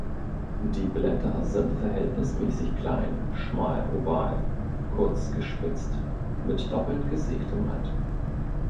Die Blätter sind verhältnismäßig klein, schmal-oval, kurz gespitzt, mit doppelt gesägtem Rand.